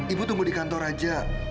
ibu tunggu di kantor aja